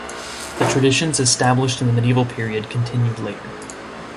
The traditions established in the medieval period continued later.